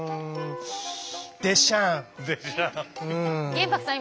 玄白さん